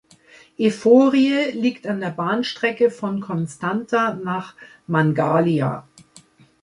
Eforie liegt an der Bahnstrecke von Constanța nach Mangalia.